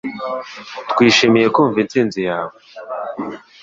Twishimiye kumva intsinzi yawe